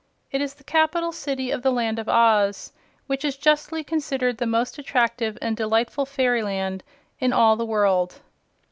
It is the Capital City of the Land of Oz, which is justly considered the most attractive and delightful fairyland in all the world.